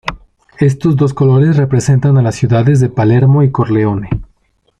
Estos dos colores representan a las ciudades de Palermo y Corleone.